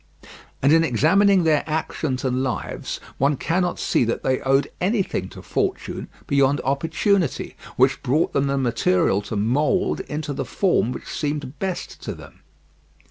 And in examining their actions and lives one cannot see that they owed anything to fortune beyond opportunity, which brought them the material to mould into the form which seemed best to them.